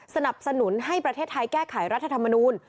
สนับสนุนให้ประเทศไทยแก้ไขรัฐธรรมนูล